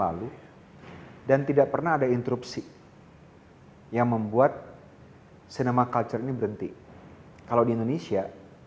lalu dan tidak pernah ada interupsi yang membuat sinema culture ini berhenti kalau di indonesia